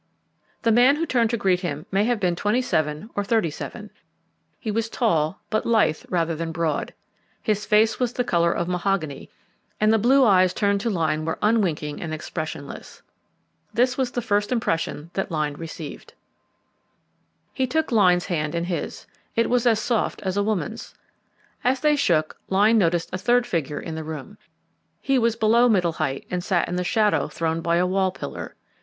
The man who turned to greet him may have been twenty seven or thirty seven. He was tall, but lithe rather than broad. His face was the colour of mahogany, and the blue eyes turned to Lyne were unwinking and expressionless. That was the first impression which Lyne received. He took Lyne's hand in his it was as soft as a woman's. As they shook hands Lyne noticed a third figure in the room. He was below middle height and sat in the shadow thrown by a wall pillar.